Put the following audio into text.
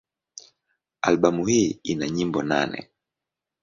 Albamu hii ina nyimbo nane.